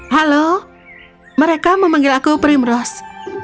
halo mereka memanggil aku primrose